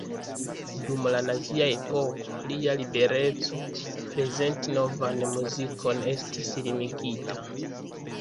Dum la Nazia epoko, lia libereco prezenti novan muzikon estis limigita.